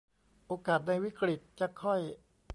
โอกาสในวิกฤตจะค่อย